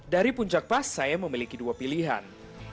dari puncak pas saya memiliki dua pilihan